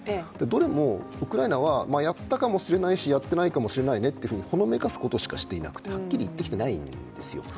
どれもウクライナはやったかもしれないしやってないかもしれないねとほのめかすことしか言っていなくてはっきり言ってきてないんですよ。